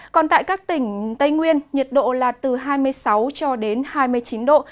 còn tại các tỉnh tây nguyên nhiệt độ là từ hai mươi sáu cho đến hai mươi chín độ